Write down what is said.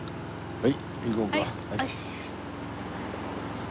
はい。